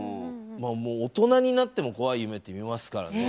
大人になってもこわい夢って見ますからね。